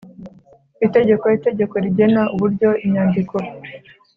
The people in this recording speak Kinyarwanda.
Itegeko Itegeko rigena uburyo inyandiko